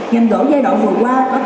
ngành gỗ giai đoạn vừa qua